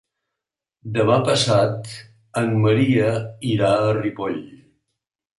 Demà passat en Maria irà a Ripoll.